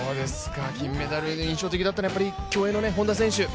金メダルの印象的だったのは競泳の本多灯選手。